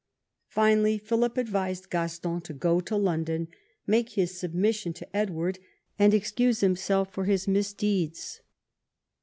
Finally Philip advised Gaston to go to London, make his submission to Edward, and exciise himself for his misdeeds.